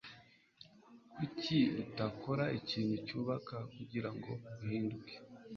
Kuki utakora ikintu cyubaka kugirango uhinduke?